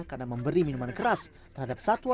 karena memberi minuman keras terhadap satwa